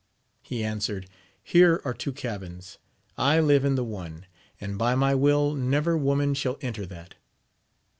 He answered. Here are two cabins : I live in the one, and by my will never woman shall enter that.